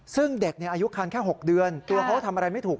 ซึ่งเด็กอายุคันแค่๖เดือนตัวเขาก็ทำอะไรไม่ถูก